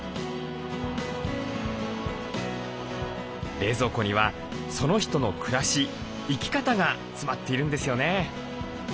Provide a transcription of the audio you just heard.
冷蔵庫にはその人の暮らし生き方が詰まっているんですよね。